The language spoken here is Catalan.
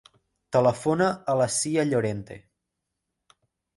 Telefona a la Sia Llorente.